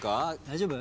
・大丈夫？